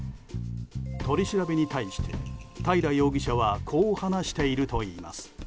取り調べに対して平容疑者はこう話しているといいます。